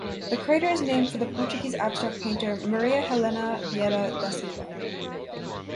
The crater is named for the Portuguese abstract painter Maria Helena Vieira da Silva.